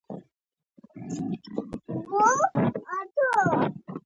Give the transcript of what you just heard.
بیجک د مالونو یو لیست ته ویل کیږي.